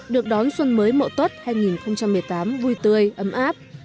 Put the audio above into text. được đón xuân mới mộ tốt hai nghìn một mươi tám vui tươi ấm áp